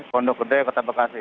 kondok gede kota bekasi